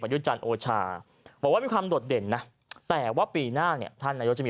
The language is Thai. ยุจันทร์โอชาบอกว่ามีความโดดเด่นนะแต่ว่าปีหน้าเนี่ยท่านนายกจะมี